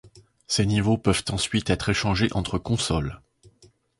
Ces niveaux peuvent ensuite être échangés entre consoles.